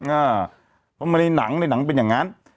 เพราะมันในหนังในหนังเป็นอย่างนั้น